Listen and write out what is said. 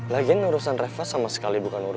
lagian urusan reva sama sekali bukan urusan gue kan